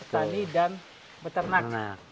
bertani dan beternak